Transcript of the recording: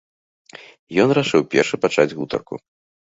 І ён рашыў першы пачаць гутарку.